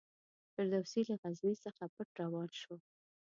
فردوسي له غزني څخه پټ روان شو.